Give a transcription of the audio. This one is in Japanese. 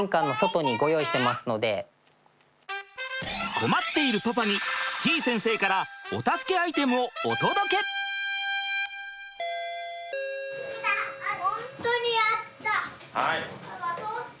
困っているパパにてぃ先生からお助けアイテムをお届け！せの！